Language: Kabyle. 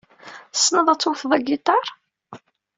Tessneḍ ad tewteḍ agiṭar?